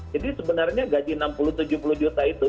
jadi sebenarnya gaji enam puluh tujuh puluh juta itu